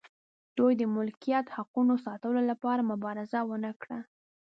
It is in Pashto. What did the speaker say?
دوی د ملکیت حقونو ساتلو لپاره مبارزه ونه کړه.